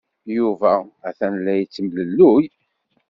Yuba atan la yettemlelluy.